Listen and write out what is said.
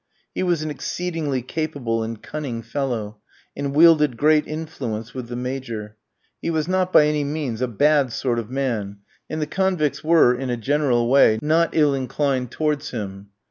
He was an exceedingly capable and cunning fellow, and wielded great influence with the Major. He was not by any means a bad sort of man, and the convicts were, in a general way, not ill inclined towards him.